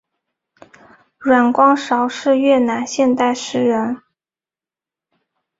阮光韶是越南现代诗人。